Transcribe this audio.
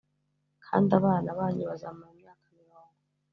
kandi abana banyu bazamara imyaka mirongo